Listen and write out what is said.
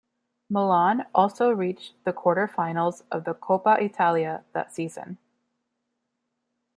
Milan also reached the quarter-finals of the Coppa Italia that season.